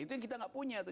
itu yang kita gak punya tuh